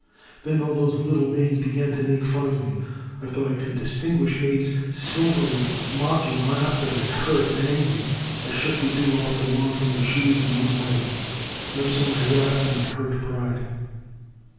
Then all those little maids began to make fun of me. I thought I could distinguish May's sil very mocking laughter, and, hurt and angry, I shook the dew of the lawn from my shoes, and went away, nursing my wrath and my hurt pride.